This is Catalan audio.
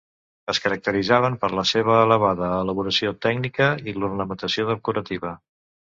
Es caracteritzaven per la seva elevada elaboració tècnica i l'ornamentació decorativa.